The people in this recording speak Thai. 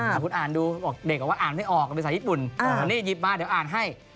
คุณอ่านดูบอกเด็กบอกว่าอ่านไม่ออกเป็นภาษาญี่ปุ่นนี่หยิบมาเดี๋ยวอ่านให้